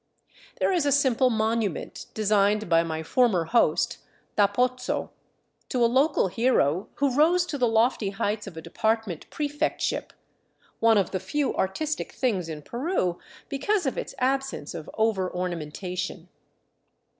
There is a simple monument, designed by my former host, Da Pozzo, to a local hero who rose to the lofty heights of a department prefectship ; one of the few artistic things in Peru, because of its absence of over orna mentation.